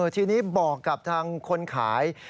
ทีนี้บอกกับทางคนขาย